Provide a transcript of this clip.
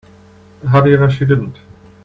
How do you know she didn't?